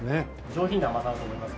上品な甘さだと思います。